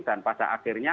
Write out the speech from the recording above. dan pada akhirnya